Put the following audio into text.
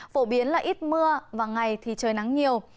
phổ biến là ít mưa và ngày thì trời nắng nhiều